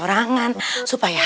raja yok ular